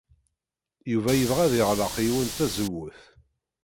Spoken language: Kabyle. Yuba yebɣa ad yeɣleq yiwen tazewwut.